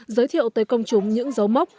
giới thiệu tới công chúng những dấu mốc